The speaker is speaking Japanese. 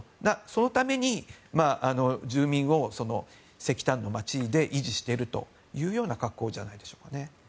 そのために住民を石炭の街で維持しているというような格好じゃないでしょうかね。